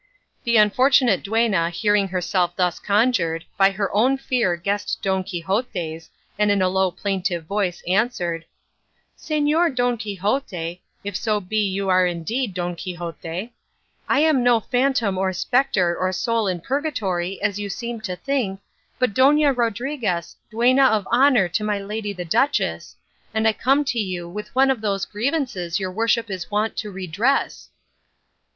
The unfortunate duenna hearing herself thus conjured, by her own fear guessed Don Quixote's and in a low plaintive voice answered, "Señor Don Quixote if so be you are indeed Don Quixote I am no phantom or spectre or soul in purgatory, as you seem to think, but Dona Rodriguez, duenna of honour to my lady the duchess, and I come to you with one of those grievances your worship is wont to redress."